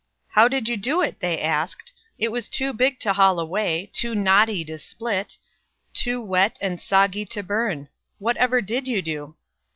"'How did you do it?' they asked. 'It was too big to haul away, too knotty to split, too wet and soggy to burn. Whatever did you do?'